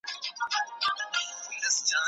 د موټر ښيښې کښته شوې دي خو هوا توده ده.